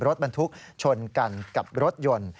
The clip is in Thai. รถบรรทุกชนกันกับรถยนต์